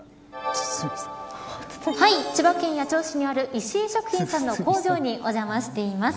千葉県八千代市にある石井食品さんの工場にお邪魔しています。